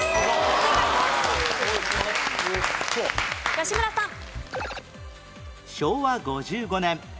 吉村さん。